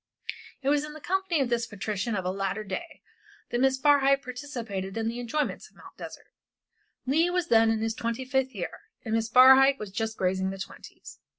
It was in the company of this patrician of a later day that Miss Barhyte participated in the enjoyments of Mt. Desert. Leigh was then in his twenty fifth year, and Miss Barhyte was just grazing the twenties.